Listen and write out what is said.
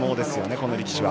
この力士は。